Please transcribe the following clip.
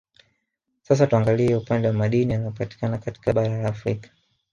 Sasa tuangalie upande wa Madini yanayopatikana katika bara la afrika